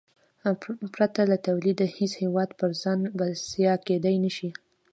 پرته له تولیده هېڅ هېواد پر ځان بسیا کېدای نه شي.